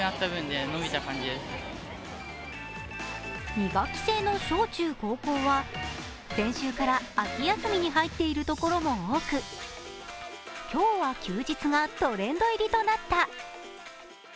２学期制の小中高校は先週から秋休みに入っているところも多く、「今日は休日」がトレンド入りとなった。